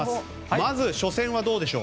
まず初戦はどうでしょう？